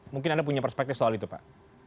mungkin anda punya perspektif soal itu pak